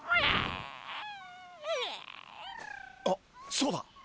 あっそうだ！